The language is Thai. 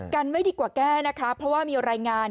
กันไม่ดีกว่าแก้นะคะเพราะว่ามีรายงาน